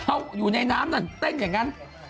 เขาอยู่ในน้ำนั่นเต้นอย่างนั้น